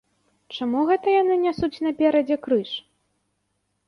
Чаму гэта яны нясуць наперадзе крыж?